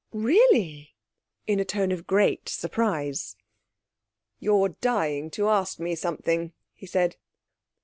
'Really!' in a tone of great surprise. 'You're dying to ask me something,' he said.